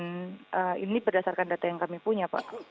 dan ini berdasarkan data yang kami punya pak